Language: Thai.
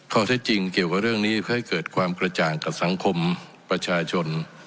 ข้อเท็จจริงเกี่ยวกับเรื่องนี้เพื่อให้เกิดความกระจ่างกับสังคมประชาชน